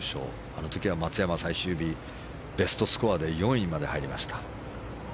あの時は松山、最終日ベストスコアで４位まで入りました。